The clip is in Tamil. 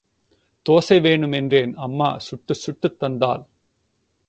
தோசை வேணும் என்றேன்—அம்மா சுட்டுச் சுட்டுத் தங்தாள்.